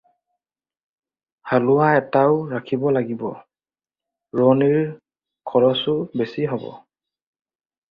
হালোৱা এটাও ৰাখিব লাগিব, ৰোৱনীৰ খৰচো বেচি হ'ব।